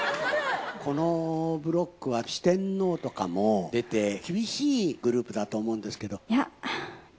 このブロックは四天王とかも出て厳しいグループだと思うんですけど。